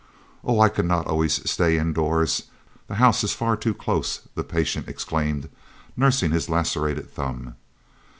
"Oh, I could not always stay indoors! The house is far too close," the patient exclaimed, nursing his lacerated thumb.